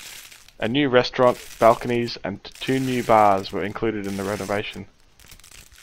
A new restaurant, balconies, and two new bars were included in the renovation.